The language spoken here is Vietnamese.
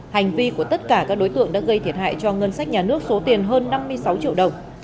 hành vi của tất cả các đối tượng đã gây thiệt hại cho ngân sách nhà nước số tiền hơn năm mươi sáu triệu đồng